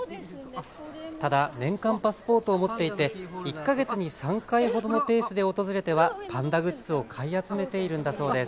ただ年間パスポートを持っていて１か月に３回ほどのペースで訪れてはパンダグッズを買い集めているんだそうです。